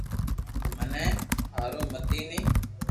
مني ھارون متي ني